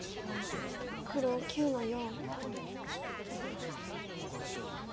黒９の四。